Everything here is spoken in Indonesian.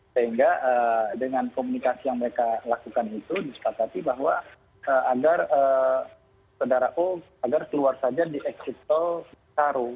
sehingga dengan komunikasi yang mereka lakukan itu disepakati bahwa agar saudara o agar keluar saja di eksit tol karo